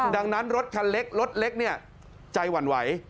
ดังนั้นรถคันเล็กรถเล็กเนี่ยใจหวั่นไหว